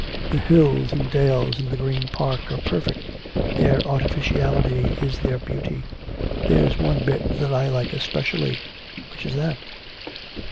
The hills and dales in the Green Park are perfect their artificiality is their beauty. There's one bit that I like especially.' 'Which is that?'